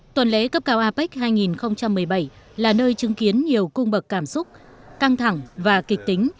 tuần lễ cấp cao apec hai nghìn một mươi bảy là nơi chứng kiến nhiều cung bậc cảm xúc căng thẳng và kịch tính